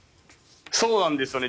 そうなんですよね。